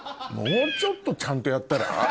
もうちょっとちゃんとやったら？